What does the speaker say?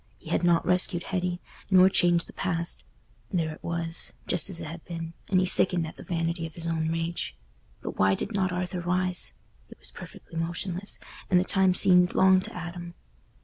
He had not rescued Hetty, nor changed the past—there it was, just as it had been, and he sickened at the vanity of his own rage. But why did not Arthur rise? He was perfectly motionless, and the time seemed long to Adam.